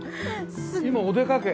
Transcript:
今お出かけ？